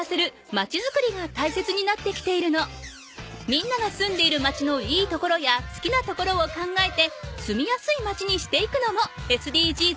みんなが住んでいるまちのいいところやすきなところを考えて住みやすいまちにしていくのもＳＤＧｓよ。